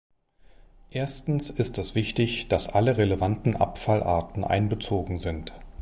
Erstens ist es wichtig, dass alle relevanten Abfallarten einbezogen sind.